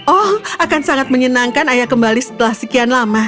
oh akan sangat menyenangkan ayah kembali setelah sekian lama